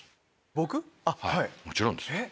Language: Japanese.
僕⁉もちろんです。